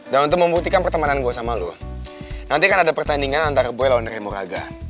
nah untuk membuktikan pertemanan gue sama lua nanti akan ada pertandingan antara boy lawan remoraga